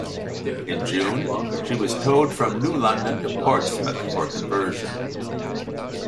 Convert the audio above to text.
In June, she was towed from New London to Portsmouth for conversion.